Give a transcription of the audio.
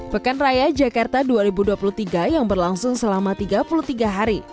pekan raya jakarta dua ribu dua puluh tiga yang berlangsung selama tiga puluh tiga hari